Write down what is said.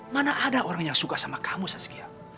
mana ada orang yang suka sama kamu sesekian